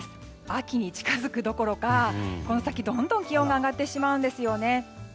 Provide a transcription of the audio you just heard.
秋に近づくどころかこの先、どんどん気温が上がってしまうんですよね。